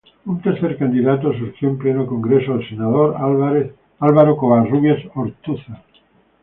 Un tercer candidato surgió en pleno Congreso, el senador Álvaro Covarrubias Ortúzar.